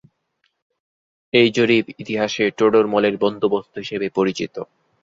এই জরিপ ইতিহাসে টোডরমলের বন্দোবস্ত হিসেবে পরিচিত।